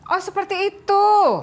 oh seperti itu